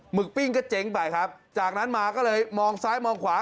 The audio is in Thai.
กปิ้งก็เจ๊งไปครับจากนั้นมาก็เลยมองซ้ายมองขวา